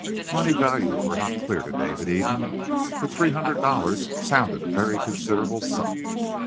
Money values were not clear to David Eden, but three hundred dollars sounded a very considerable sum.